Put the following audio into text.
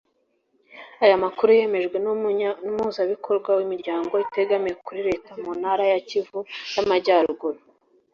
Aya makuru yemejwe n’Umuhuzabikorwa w’imiryango itegamiye kuri Leta mu Ntara ya Kivu y’Amajyaruguru